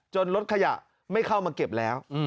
รถขยะไม่เข้ามาเก็บแล้ว